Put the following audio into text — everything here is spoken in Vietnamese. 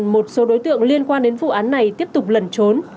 một số đối tượng liên quan đến vụ án này tiếp tục lẩn trốn